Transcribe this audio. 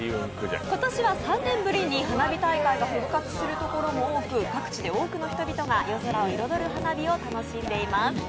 今年は３年ぶりに花火大会が復活するところも多く各地で多くの人々が夜空を彩る花火を楽しんでいます。